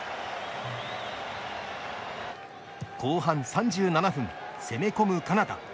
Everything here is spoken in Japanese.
後半３７分、攻め込むカナダ。